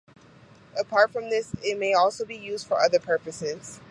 Apart from this, it may also be used for other purposes.